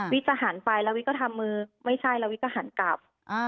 จะหันไปแล้ววิทย์ก็ทำมือไม่ใช่แล้ววิทย์ก็หันกลับ